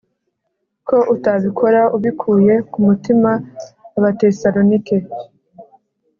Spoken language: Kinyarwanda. ko utabikora ubikuye ku mutima Abatesalonike